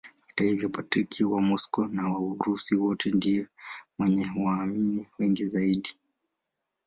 Hata hivyo Patriarki wa Moscow na wa Urusi wote ndiye mwenye waamini wengi zaidi.